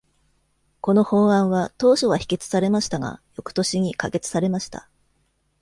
この法案は当初は否決されましたが、翌年に可決されました。